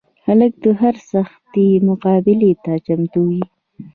هلک د هر سختي مقابلې ته چمتو وي.